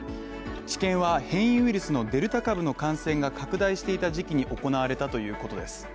治験は変異ウイルスのデルタ株の感染が拡大していた時期に行われたということです